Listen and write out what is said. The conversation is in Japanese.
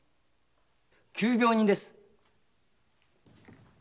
急病人です。